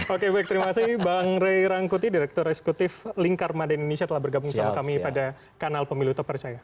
oke baik terima kasih bang ray rangkuti direktur eksekutif lingkar mada indonesia telah bergabung sama kami pada kanal pemilu terpercaya